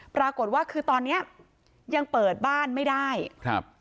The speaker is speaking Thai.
ปรากฏว่าคือตอนเนี้ยยังเปิดบ้านไม่ได้ครับ